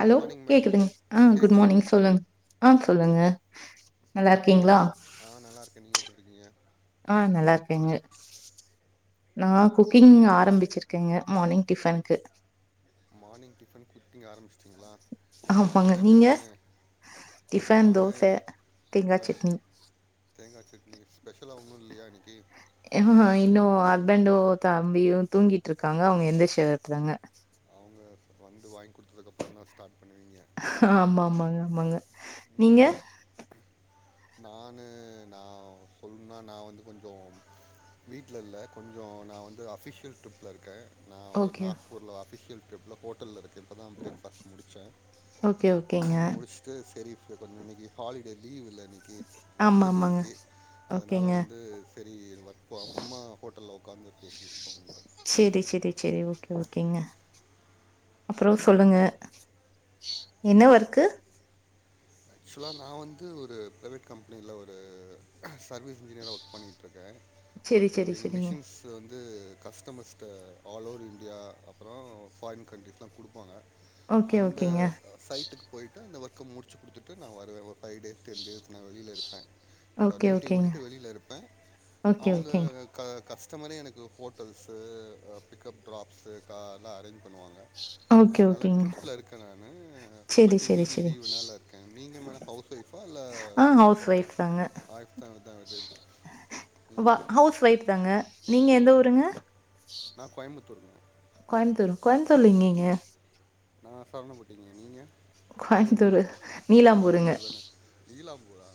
Good morning madam கேக்குதுங்க ஆஹ் good கேட்குது மார்னிங் மேடம் சொல்லுங்க ஆஹ் சொல்லுங்க நல்லா என்ன இருக்கீங்களா பண்ணிட்டு இருக் ஆஹ் நல்லா இருக்கேன் நீங்க எப்படி இருக்கீங்க நான் குக்கிங் ஆரம்பிச்சிருக்கேங்க மார்னிங் டிஃபனுக்கு ஓக்கேங்க்கா ஆமாங்க நீங்க டிஃபன் நான் தோசை தேங்காய் சட்னி தேங்கா சட்னிஸ் இன்னும் இன்னும் அது ஹஸ்பண்டும் தம்பியும் தூங்கிட்டு இருக்காங்க அவு ங்க எந்திரிச்சதிற்கு அப்புறம்தாங்க அவுங்க வந்து வாங்கி கொடுத்ததுக்க அப்புறம் தான் ஸ்டார்ட் பண்ணுவீங்க ஆமா ஆமாங்க ஆமாங்க நீங்க நானு நான் சொல்லணும்ன்னா நான் வந்து கொஞ்சம் வீட்ல இல்ல கொஞ்சோ நான் வந்து அஃபிஷியல் ட்ரிப்பில இருக்கேன் நான் ஒரு ஓகே நாக்பூர்ல அஃபிஷியல் ட்ரிப்ல ஹோட்டல்ல இருக் கேன் இப்பதான் பிரேக்ஃபாஸ்ட் முடிச்சேன் ஓகே ஓகேங்க முடிச்சுட்டு செரி கொஞ்சம் இன்னைக்கு ஹாலிடே லீவ்வுல இன்னைக்கு ஆமா ஒர்க் இல்ல ஆமாங்க இனைக்கு அதனால ஓகேங்க வந்து செரி ஒர்க் போம் சும்மா ஹோட்டல்ல உட் காந்து பேசி ஓக்கேங்க அப்புறம் சொல்லுங்க என்ன ஒர்க்கு ஆக்சுவலா நான் வந்து ஒரு ப்ரைவேட் கம்பெனியில ஒரு சர்வீஸ் இன்ஜினியராக ஒர்க் பண்ணிட்ருக்கேன் பட் சேரி த சேரி வே இங்க சேரிங்க மிஷின்ஸ் வந்து வந்து கஸ்டமஸ்டு ஆல்ஓவர் இந்தியா அப்புறம் ஃபாரின் கண்ட்ரிஸ்லாம் கொடுப்பாங்க ஓகே அந்த ஓகேங்க சைட்டுக்கு போயிட்டு ஒர்க் க மூடிச்சு கொடுத்து ட்டு நான் வருவேன் ஒரு ஃபைவ் டேஸ் டென் டேஸ் நான் வெளில இருப்பேன் என்னோட ஓகே நேட்டிவ் ஓகேங்க விட்டுட்டு வெளியில இருப்பேன் ஓகே அவுங்க ஓகேங்க கஷ் பிடிச்ச மாரி எனக்கு ஹோட்டல்ஸு பிக்கப் டிரராப்ஸு காரெலாம் அரேஞ்ச் பண்ணுவாங்க ஓகே அதனால ஓகேங்க ட்ரிப்ல இருக்கேன் நானு செரி பட் செரி இன்னைக்கு செரி லீவுனால நீங்க மேடம் ஹவுஸ் ஒய்ஃபா இல்ல ஹவுஸ் ஆ ஒய்ஃப் தாங்க ஆஹ த வ துஉம் ஹவுஸ் ஒய்ஃப் தாங்க நீங்க ம் எந்த ம் ஊருங்க நா கோயம்புத்தூருங்க கோயம்புத்தூர் கோயம்புத்தூர்ல எங்கேங்க நா சரவணப்பட்டிங்க நீங்க நீங்க எந்த கோயம்புத்தூரு ஊருங்க நீலாம்பூருங்க கோயம்புத்தூர் தானே நீலாம்பூரா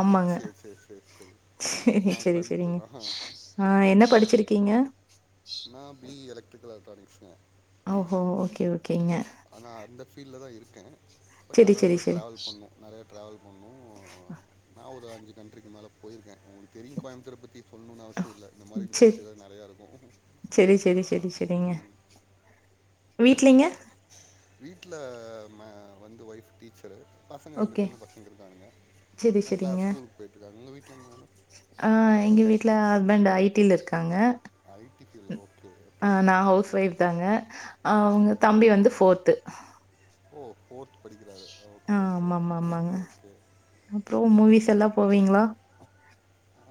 ஆமாங்க செரி செரி செரி செரி செரி நா செரி செரிங்க கோயம்புத்தூர் தான் ஆ என்ன படிச்சிருக்கீங்க நா பி இ எலக் கல் அண்ட் எலக்ட்ரானிக்ஸ்ங்க ஓஹோ ஓகே ஓகேங்க ஆனா அந்த ஃபீல்ல தான் இருக்கேன் பட் ஆனா வந்து டிராவல் பண்ணும் நெறையா டிராவல் பண்ணும் அஹ நான் ஒரு அஞ்சு கண்ட்ரிக்கு மேலே போயிருக்கேன் உங்களுக்கு தெரியும் கோயமுத்தரை பற்றி சொல்லணும்னு அவசியம் இல்லை இந்த மாரி செரி இன்ட்ரெஸ்ட் தான் நெறையா இருக்கும் செரி செரி செரி ம் செரிங்க ம் வீட்லிங்க வீட்ல ம வந்து ஒய்ஃப் டீச் பசங்க ரெண்டு ஓகே சின்ன பசங்க இருக்கானுங்க செரி செரிங்க கிளாஸ் ஸ்கூலுக்கு போயட்டு இருக்காங்க உங்க வீட்டுலங்க மேடம் வீட்டுல ஹஸ்பெண்ட் ஐடில இருக்காங்க ங்கிலோ அ நான் ஹவுஸ் ஒய்ஃப் தாங்க ம் அவுங்க ம் தம்பி வந்து ஃபோர்த்து ஓ ஃபோர்த் படிக்கிறாரு ஆ ஓகே ஓகே ஆமாமா ஆமாங்க ஓகே ஓகே அப்றோ மூவிஸ் எல்லா போவீங்களா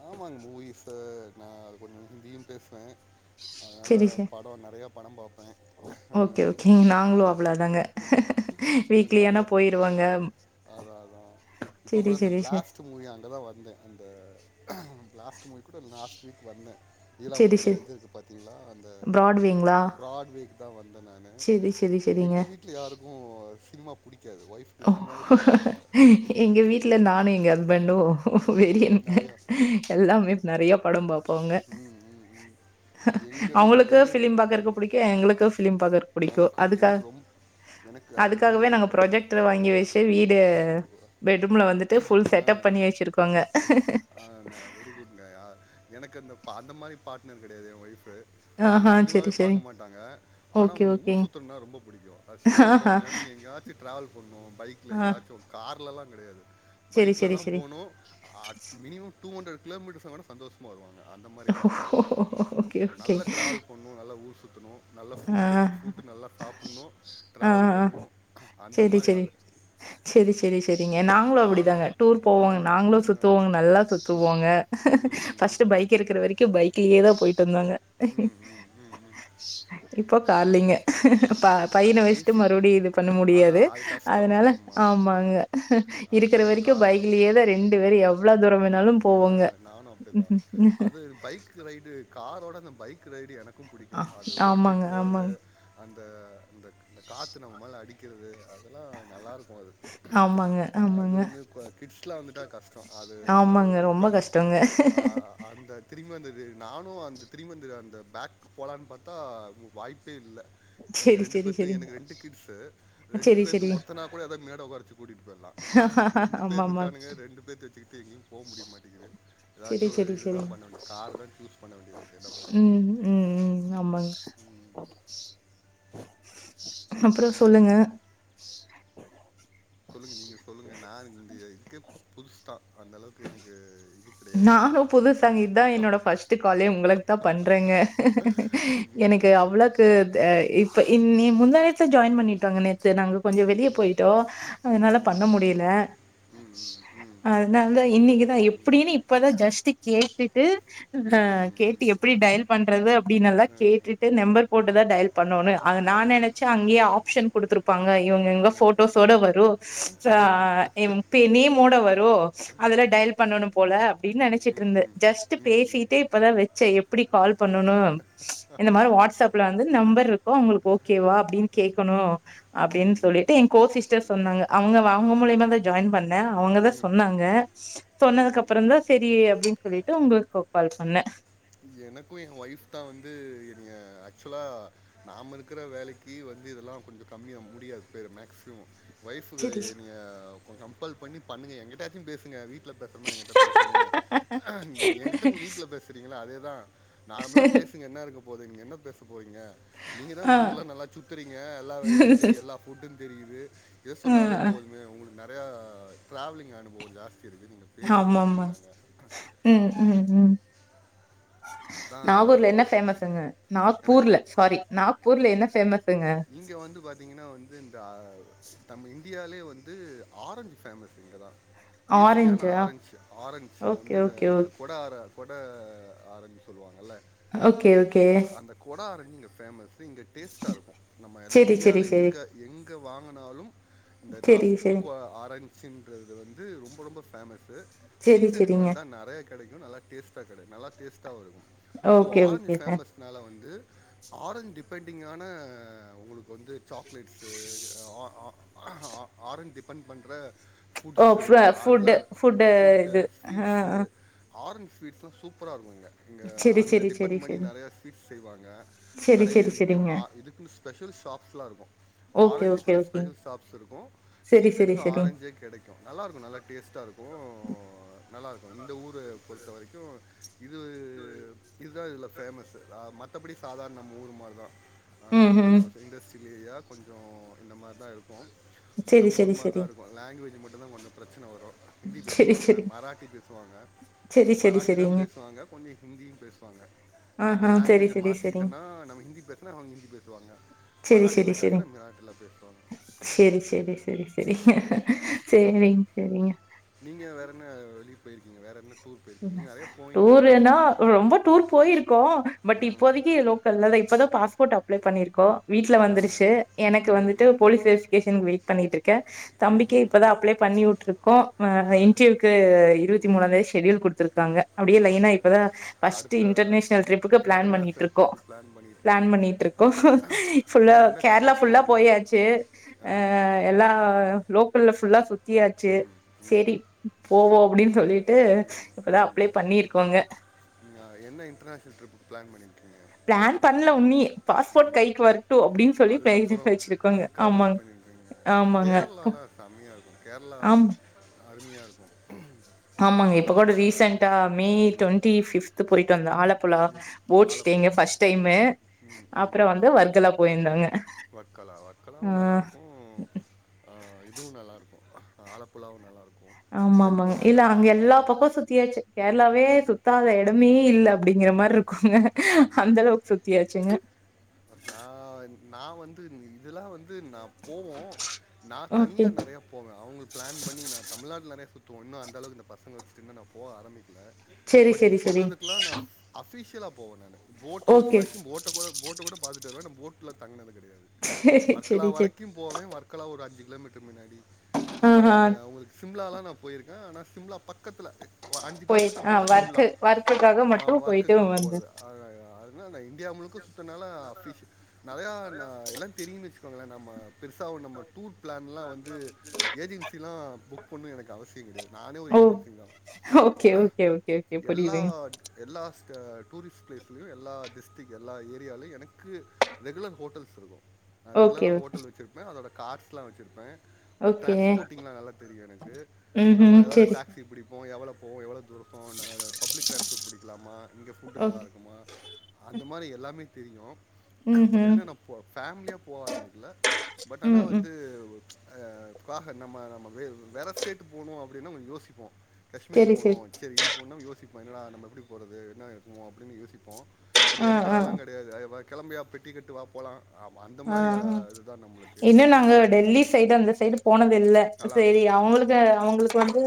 ஆமாங்க மூவிஸ் சார் நான் அது கொஞ்சம் ஹிந்தியும் பேசுவேன் அதுனால செரி செ படம் நெறைய படம் பாப் பேன் ஓகே ஓகேங்க நாங்களு நெறையா அவ்ளோதாங்க வீக்லி ஆனா நெறையா போயிருவோங்க அதான் அதான் இப்போ செரி கூட இந்த செரி செ பிளாஸ்ட் மூவி அங்கே தான் வந்தேன் அந்த பிளாஸ்டு மூவிக்கூட லாஸ்ட் வீக் வந்தேன் செரி நீலாம்பூர் செ அந்த இது இருக்கு பாத்தீங்களா அந்த ப்ராட்வேங்களா பிராட்வேக்கு தான் வந்தேன் நான் செரி செரி செரிங்க எங்கள் வீட்டில யாருக்கும் சினிமா புடிக்கும் எங்க வீட்டுல நானும் எங்க அந் பெண்டும் ம், வெரியன் நிறையா எல்லாமே நிறைய படம்பா போங்க ம் ம் ம் எங்கள் வீ அவங்களுக்கு எங்கள் பிலிம் பாக்குறக்கு புடிக்கும் எங்களுக்கு பிலிம் பாக்குறக்கு புடிக்கும் எனக்கு அதுக்காக எனக்கு ரொம்ப எனக்கு அதுக்காகவே நீங்கள் நாங்க ப்ரஜெக் வாங்கி வச்சு உங்கள் வீடு பெட்ரூம்ல வந்துட்டு ஃபுல் செட் அப் பண்ணி வச்சிருக்கோங்க ஆஹ் நா வெரி குட்ங்க யா எனக்கு அந்த பா அந்த மாதிரி பார்ட்னர் கிடையாது என் வைஃப்பு அவங்க ஆஹா சினிமாவே செரி செரி பாக்க மாட்டாங்க ஆனா ஓகே, அவங்களுக்கு ஊர் ஓகேங்க. சுத்துரனா ரொம்ப பிடிக்கும் அது சினிமா போற ஆஹா. நேரத்துக்கு எங்கயாச்சும் டிராவல் பன்னும் பைக்ல ஆ. எங்கயாச்சும் கார்லா சரி, பைக்ல சரி, தான் சரி. போனும் ஆட் டூ ஹன்ரட் கிலோமீட்டர் சந்தோஷமா வருவான் அந்த மாரி கேரக்டர் அவங்க ஓகே, ஓகே. நல்ல டிராவல் பண்ணும் நல்ல ஊர் சுத்தணும், நல்லா ஆ, ஃபுட்டு ஃபுட்டு் நல்லா சாப்பிடணும் ஆ, டிராவல் ஆ. பண்ணணும் அந்த சரி, மாரி சரி. ஆளு சரி, சரி, சரிங்க. நாங்களும் நானும் அப்படிதாங்க. டூர் போவோங்க. ஆஹ் நாங்களும் சுத்துவோங்க. நல்லா சுத்துவோங்க ஃபஸ்ட் பைக் எடுக்கிற வரைக்கும் பைக் யே தான் போயிட்டு இருந்தோங்க [inaudible] ம் ம் ம் ம் இப்போ அது கால்லிங்க பா அது பையனை வச்சுட்டு பேசிக் மறுபடியும் இது பண்ண முடியாது அதான் அது கஷ்டம் அதனால அதும்மா ஆமாங்க அப்போ இருக்கிற நம்ம வரைக்கும் காரில் தான் போகணும் பைக்லயேதான் ரெண்டு ம் பேரும் எவ்ளோ ம் ம் தூரம்னாலும் ஆ போவோங்க நானும் அப்படிதான் அது பைக் ரைடு காரோட அந்த பைக் பைக் ரைட் னக்கும் ஆ. பிடிக்கும் அது ஓட்டுட்டு ஆமாங்க, போறது ஆமாங்க. அந் த அந்த காற்று நம்ம மேல அடிக்கிறது அதெல்லாம் நல்லாருக்கும் அது ஆமாங்க, அது ஆமாங்க. வந்து கிட்ஸ்லாம் வந்துட்டா கஷ்டம் அது அது ஆமாங்க. ஒரு ரொம்ப விட்டுறனும் கஷ்டங்க. அ அந்த திரும்பி வந்தது நானும் அந்த திரி மந்த் அந்த பேக்கு போகலான்னு பாத்தா வாய்ப்பே இல்லை சரி சரி எனக்கு ரெண்டு கிட்ஸ்சு ரெண்டு செரி பேர்த்த ஒருத்தனா கூட அத மேட உச்ச கூட்டிட்டு போயலாம் இது ரெண்டு ஆமா பேர் ஆமாங் இருக்கானங்க ரெண்டு பே வச்சுக்கிட்டு எங்கயும் போ முடிய மாட்டேங்குது செரி ஏதாச்சும் ஒரு செரி இது செரிங் தான் கார் சூஸ் பண்ண வேண்டியது இருக்கு என்ன பண்ற ம் ம் ம் ஆமாங் அப்றோ சொல்லுங்க சொல்லுங்க நீங்க சொல்லுங்க நான் இந்த இதுக்கு புதுசு தான் அந்த அளவுக்கு எனக்கு இது கிடையாது. நானும் புதுசாங்க இதான் என்னோட பஸ்ட் காலே உங்களுக்கு தான் பண்றேங்க எனக்கு அவ்ளோக்கு இப்ப இன்னி முந்தா நேத்தே ஜாயின் பண்ணிட்டோங்க நேத்து நாங்க கொஞ்சம் வெளியே ம், போயிட்டோம் ம், அதனால ம், பண்ண முடியல ம், ம், ம், அதனால இன்னைக்குதான் இப் அப்புடின்னு இப்பதா ஜஸ்ட்டு கேட்டுட்டு ம், ம், ம், கேட்டு எப்பிடி டைல் பண்றது அப்டின்னெல்லா கேட்டுட்டு நம்பர் போட்டுதா டைல் பண்ணோனு ‌அது நா நெனைச்ச அங்கயே ஆப்ஷன் குடுத்துருப் பாங்க இவுங்க எங்க ஃபோட்டோஸோட வரு ச எம் பெ நேமோட வரு அதுல டையல் பண்ணணும் போல அப்டின் ம், நெனச்சிட்ருந்த ஜஸ்ட் ம், ம், பேசிட்டே இப்பதா வச்செ எப் பிடி கால் பன்னனு இந்தமாரி வாட்ஸ் அப்லெந்து நம்பர் இருக்கு உங்களுக்கு ஓகேவா அப்டின் கேக்கனு அப்டின் ம், சொல்லிட்டு ம். எ கோசிஸ்டர் சொன்னாங்க அவுங்க வ அவுங்க ம், மூலியமாதா ஜாய்ன் பொண்ணே அவுங்க தா ம், ம், சொன்னாங்க ம், சொன்னதுக்கப் ம். ற செரி அப்டின் சொல்லிட்டு உங்களுக்கு கால் பண்ணே எனக்கு‌ எ ஒய்ஃப் தா வந்து என்னய ஆக்சுலா நாம இருக்கிற வேலைக்கி வந்து இதெல்லா கொஞ்ச கம்மியா முடியாது பேரு மேக்சிமம் ஒய்ஃபுக்கு செரி நீங்க கம்பல் பண்ணி பண்ணுங்க எங்கிட்டாச்சும் பேசுங்க வீட் ல பேசுறமா எங்கிட்ட பேசுங்கங்க எங்கிட்ட வீட்ல பேசு ங்கள அதேதா நார்மலா பேசுங்க என்ன இருக்க போது இஙகென்ன பேசு போயிங்க நீங்க தா ஆ ஊர்ல நல்லா சுத்துறீங்க எல்லா இது தெரியு எல்லா ஃபுட்டு தெரியுது எஸ் ஆ சொன்னாவே போதுமே உங்ள நெறையா ட்ராவலிங் அனுபவொ ஜாஸ் தியிருக்கு நீங்க பேசுங்க ஆமாமா அப்டின்னாங்க ம் ம் ம் நாகூர்ல என்ன ஃபேமஸுங்க நாக்பூர்ல சாரி நாக்பூர்ல என்ன ஃபேமஸ் இங்க வந்து பாத்தீங்கனா வந்து இந்த தமி இந்தியாலே வந்து ஆரஞ்சு ஃபேமஸ் இங்கதா டேஸ்ட்டியான ஆரஞ்சா ஆரஞ்சு ஆரஞ்சு ஓகே வந்து இந்த ஓகே ஓ இந்த கொட ஆர கொட ஆரஞ்சு சொல்லுவாங்கல்ல ஓகே ஓகே சு இங்க ஃபேமஸ் இங்க டேஸ்ட்டா இருக்கு ம எல்ல செரி செரி இந்தியால செரி எங்க எங் ங்க வாங்குனாலும் இந்த செரி நாக்பூர் செரி குவா ஆரஞ் சின்றது வந்து ரொம்ப ரொம்ப ஃபேம ஸு செரி சீசனுக்கு செரிங்க வந்தா நெறைய கெடைக்கு நல்ல டேஸ்டா கெட நல்ல டேஸ்டாவு இருக்கு so okay orange okay sir ஃபேமஸ்னால வந்து ஆரஞ்ச் டிபெண்டிங் ஆன உங்களுக்கு வந்து சாக்லேட்ஸு ஆ ஆரஞ் டிபெண்ட் பண்ற ஓ ஃபுட்ஸு ஃபு ஃபுட்டு அதுல்லாம் ஃபுட்டு இது ஆ ஸ்வீட்ஸு ஆ ஆரஞ்ச் ஸ்வீட்லாம் சூப்பரா இருக்கும் இங்க இங்க செரி அந்த செரி செரி டிபெண்ட் பண்ணி செரி நறையா ஸ்வீட் செய்வாங்க செரி கடையிலயே செரி விக்கும் செரிங்க ஆ இதுக்கு ஸ்பெஷல் ஷாப்ஸ்லாம் இருக்கும் ஓகே ஓகே ஆரஞ்சுக்குன்னு ஓகேங்க ஸ்பெஷல் ஷாப்ஸ் இருக்கும் செரி செரி சீசனுக்கு செரி ஆரஞ்சே கிடைக்கும் நல்லாயிருக்கும் நல்லா டேஸ்ட்டா இருக்கும் நல்லாயிருக்கும் இந்த ஊரை பொறுத்த வரைக்கும் இது இதுதான் இதுல ஃபேமஸ் ஆஹ் மத்தபடி சாதாரண நம்ம ஊர் மாதிரி தான் ம் ம் கொஞ்சம் செய்ங்கஸ் இல்லயா கொஞ்சம் இந்த மாரி தான் இருக் கும் செரி நம்ம செரி ஊர் மாரி செரி தான் இருக்கும் லாங்குவேஜ் மட்டு இப்ப தான் கொஞ்சம் பிரச்சனை வரும் ஹிந்தி செரி பேசுவாங்க செரி மராட்டி பேசுவாங்க செரி செரி மராட்டி தான் செரிங்க பேசுவாங்க கொஞ்சம் ஹிந்தியும் பேசுவாங்க ஆ நம்ம ஆ செரி லாங்குவேஜ் செரி செரிங் மாத்திக்கிட்டோம்னா நம்ம ஹிந்தி பேசுனா அவுங்க ஹிந்தி பே செரி செரி செரி பேசுவாங்க செரி செரி செரி செரிங்க செரிங்க செரிங்க நீங்க வேற என்ன வெளிய போயிருக்கீங்க வேற என்ன டூர் போயிருக்கீங்க நீங்கள் நிறையா போயின்னு சொன்னீங்க டூருன்னா ரொம்ப டூர் போயிருக்கோம் பட் ம் இப்போதைக்கி லோக்கல்ல இப்போதான் பாஸ்போர்ட் அ ப்ளே பண்ணியிருக்கோம் வீட்ல ஆஹா வந்துருச்சு எனக்கு ம் வந்துட்டு ம் போலீஸ் வெரிஃபிகேஷனுக்கு வெயிட் பண்ணிட்டு இருக்கேன் தம்பிக்கு ம்ஹும். இப்பதான் அப்ளே பண்ணி விட்டுருக்கோம் ஆ இடர்வியூக்கு இருபத்தி மூணாந்தேதி செஷடியூல் கொடுத்துருக்காங்க அப்புடியே லைன்னா ஆஹா இப்பதா இப்ப ஃப்ர்ஸ்ட் அடுத்த இன்டர்நேஷ்னல் இன் ட்ரிப்புக்கு பிளான் பண்ணிட்டு இன்டர்நேஷ்னல் இருக்கோம் ட்ரிப்பு பிளான் பண்ணிகிட்டு பிளான் இருக்கீங்க பண்ணிட்டு இருக்கோம் என்ன என்ன கேரளா கண்ட்ரிக்கு ஃபுல்லா போகலான்னு போயாச்சு ஆ எல்லா ஃபுல்லா ஃபுல்லா சுத்தியாச்சு ம் சேரி ம் போவோம் அப்புடின்னு சொல்லிட் டு ம் இப்பதான் ம் அப்ளே பண்ணிருக்கோங்க என்ன இன்டர்நேஷனல் ட்ரிப்புக்கு பிளான் பண்ணயிருக்கீங்க பாஸ்போட் கைக்கு வர அதுக்கப்புறம் அதுக்கா வெயிட் ஆமாங்க பண்ணிருக்கீங்க ஆமாங்க கேரளாலா செம்மெயா இருக்கும் கேரளா ஆம் அருமையா இருக்கும் ஆமாங்க நல்லா இப்ப கூட ஃப- ரீசெண்டா மே ம் டுவெண்ட்டி பிப்து போயி டு வந்தேன் ஆலப் புழா ம் போச்சிட்டிங் ஆலப்புழா ஃபர்ஸ்ட் டைம் ம் அப்புறம் வந்து வர்க்கலா போயிருந்தோம்ங்க வக்கலா வக்கலாவும் நல்லா இருக்கும் ஆஹ் இதுவும் நல்லா இருக்கும் ஆலப்புழாவு நல்லா இருக்கு ஆமா ஆமாங்க இல்ல அங்க எல்லா பக்கு சுத்தியாச்சு ம் கேரளாவே ம் சுத்தாத எடமே இல்ல அப்படிங்கிற மாரி இருக்குங்க அந்த அளவுக்கு சுத்தியாச்சுங்க நா நா வந்து இதெலா வந்து நா போவோ நா ஓகே. தனியா நெறய போவே அவுங்க பிளான் பண்ணி நா தமிழ்நாட்டுல நெறய சுத்து ஒன்னு அந்த அவுக்கு இந்த பசங்க வச்சுட்டு இன்னு போ ஆரம்பி சரி, பட் நீங்க சரி, சரி. சொன்னதுக்கெலா நா அஃபிஷியல போன போட் ஹவுஸ் ஓகே. வரைக்கு போட்டு கூட போட்டு கூட இந்த தடவ போட்ல தங்கனதுக் சரி, வர்கலா சரி, சரி. வரைக்கும் போவேன் வர்கலா ஒருஅஞ்சு கிலோமீட்டர் முனாடி அப்ப ஆஹா. நங்க உங்களுக்கு சிம்லா லாம் நான் போயிருக்கேன் ஆனா சிம்லா பக்கத்துல அஞ்சு போய் கிலோமீட்டர் ஆ போனா சிம்லா ஒர்க்கு ஒர்க்குக்காக மட்டும் போயிட்டு வொர்க்குக்கா வந்த. போறது [unintelligible] இந்தியா முழுக்க சுத்தனால நெறய ந எல்லாம் தெரியும்ன்னனு வச்சுக்கோங்களன் [unintelligible] பெருசாக நம்ம டூர் பிளான்லாம் வந்து ஏஜென்சிலாம் புக் பண்ணும் எனக்கு அவசியம் கெடயாது நானே ஒரு ஓ! ஏஜென்சி ஓகே, தான் ஓகே, ஓகே, ஓகே. எல்லா புரியுதுங்க. எல்லா டூரிஸ் பிளேஸ்லயும் எல்லா டிஸ்டிக் எல்லா ஏரியாலேயும் எனக்கு க்கு ரெகுலர் ஹோட்டல்ஸ் இருக்கும் நான் ஓகே, ரெகுலராக ஓகே, ஹோட்டல் வச்சிருப்பேன் அதோட கார்ஸ்லாம் வச்சிருப்பேன் ஓகே. டிரான்ஸ்போர்ட்டிங்லாம் நல்லா தெரியும் எனக்கு நம்ம ம்ஹ்ம். எதாது சரி, சரி. டாக்ஸி பிடிப்போம் எவ்வளோ போவ்யவ்ளோ தூரம் பிகோர் பப்ளிக் ட்ரான்ஸ்ஃபர் பிடிக்கலாமா இங்கஃபுட் நல்லா ஓகே. இருக்குமா அந்த மாரி எல்லாமே தெரியும் பட் ம்ஹ்ம். என்ன ந ஃபேமிலியா போக ஆரம்பிக்கல பட் ஆனா ம், ம். வந்து க்காக நம்ம நம்ம வேற ஸ்டேட் போனும் அ அப்பின்னு யோசிப்போம் காஷ்மீர் சரி, சரி. போனும் சேரி இது போனுனாயோசி சீஇப்போ என்னடா நம்ம எப்டி போறது என்ன இருக்கமோ அப்டின்னு யோசிப்போம் பட் ஆ, எனக்கு ஆ, அதெலாம் கெடயாது அத கெரளம்பியாக பெட்டி கட்டு வா போகலாம் ஆஹ் இன்னும் நாங்க அந்த அளவுக்கு டெல்லி சைடு அந்த சைடு போனது இல்ல செரி நல்லாருக்கும். ம். அவுங்களுக்கு அவுங்களுக்கு வந்து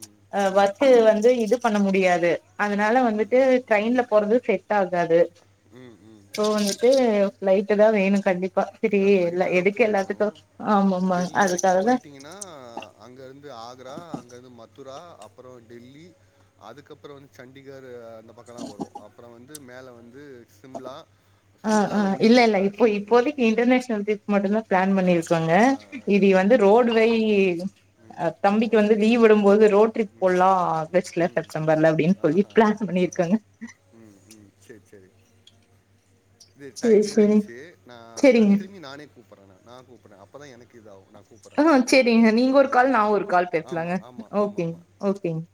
ம். ம். ஒர்க் வந்து இது பண்ண முடியாது அதனால வந்துட்டு ட்ரெயின்ல போறது செட் ஆகாது ம். ம். ஸோ வந்துட்டு ஃபலைட் தான் வேணும் கண்டிப் பிளைட்ல தான் போய் ஆகணும் ஆமாமா டெல்லி வரைக்கும் அதுக்காகதா போயிட்டீங்கன்னா அங்க இருந்து ஆறு ஆக்ரா அங்க வந்து மதுரா அப்புறம் டெல்லி அதுக்கப்புறம் வந்து சண்டிகர் அந்த பக்கலாம் வரும் அப்புறம் வந்து மேல வந்து சிம்லா ஆஹ் சிம்லால ஆஹ் இல்ல ஒன்றுமே இல்ல இருக்காது இப்போ சிம் ம் இப்போதைக்கு இன்டர்நேஷ் [unintelligible] மட்டும்தான் பிளான் ஆ பண்ணிருக்கோங்க ஆ இது ம் வந்து ம், போயிட்டு ரோட்வே வாங்க ம் ம் ஓஹோ தம்பிக்கு வந்து லீவ் விடும்போது ரோட் ட்ரிப் ம் போல்லாம் ஆகஸ்ட்ல ம் செப்டம்பர்ல அப்படின்னு சொல்லி ஆஹா பிளான் ஆஹா பண்ணிருக்கோங்க ம் ம் சரி சரி இது டைம் முடிஞ்சச்சு நா நா திரும்பி நானே கூப்ற ஹா செரிங்க நீங்க ஒரு ஓகே கால் நா ஒரு கால் பேசலாங்க ஆமாம் ஆமாம் ஓக் ஆமாம் கேங்க ஆமாம் ஓக்கேங்க